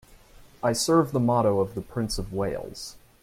I serve the motto of the Prince of Wales.